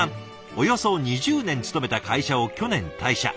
およそ２０年勤めた会社を去年退社。